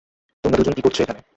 তোমরা দুজন কি করছো এখানে?